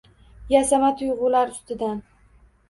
Yasama tuyg’ular ustidan.